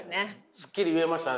すっきり言えましたね。